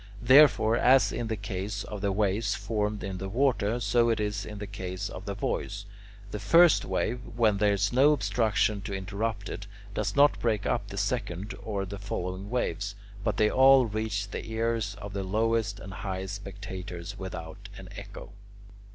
Therefore, as in the case of the waves formed in the water, so it is in the case of the voice: the first wave, when there is no obstruction to interrupt it, does not break up the second or the following waves, but they all reach the ears of the lowest and highest spectators without an echo.